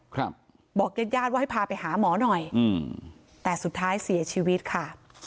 ครับบอกญาติญาติว่าให้พาไปหาหมอหน่อยอืมแต่สุดท้ายเสียชีวิตค่ะ